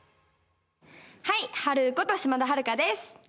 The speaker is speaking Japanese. はい、はるること島田晴香です。